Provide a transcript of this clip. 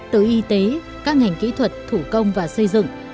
từ y tế các ngành kỹ thuật thủ công và xây dựng